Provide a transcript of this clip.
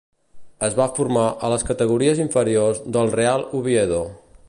Es va formar a les categories inferiors del Real Oviedo.